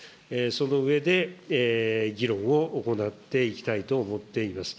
その上で、議論を行っていきたいと思っています。